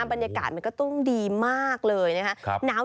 บรรยากาศมันก็ต้องดีมากเลยนะครับ